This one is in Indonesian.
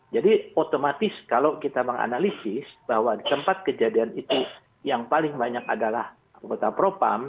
jadi otomatis kalau kita menganalisis bahwa tempat kejadian itu yang paling banyak adalah kota propam